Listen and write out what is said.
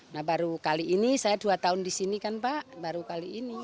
nah baru kali ini saya dua tahun di sini kan pak baru kali ini